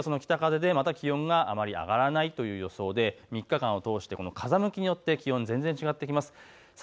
日曜日はその北風でまた気温があまり上がらないという予想で３日間を通して風向きによって気温が全然違ってきます。